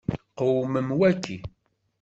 Qewmem waki.